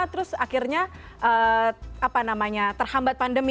terus akhirnya terhambat pandemi